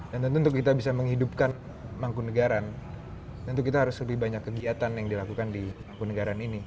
dan tentu untuk kita bisa menghidupkan mangkunagaran tentu kita harus lebih banyak kegiatan yang dilakukan di mangkunagaran ini